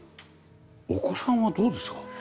お子さんはどうですか？